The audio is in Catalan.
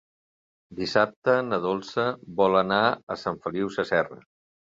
Dissabte na Dolça vol anar a Sant Feliu Sasserra.